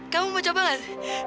kamu mau coba gak